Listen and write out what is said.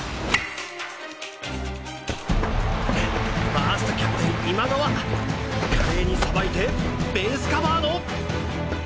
ファーストキャプテン今川華麗にさばいてベースカバーの。